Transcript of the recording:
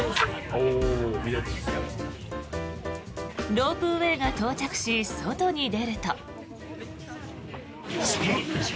ロープウェーが到着し外に出ると。